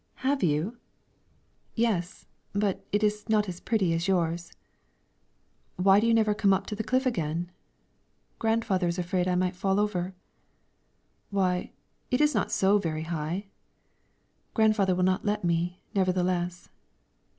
"Have you?" "Yes, but it is not as pretty as yours." "Why do you never come up to the cliff again?" "Grandfather is afraid I might fall over." "Why, it is not so very high." "Grandfather will not let me, nevertheless."